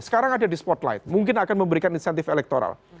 sekarang ada di spotlight mungkin akan memberikan insentif elektoral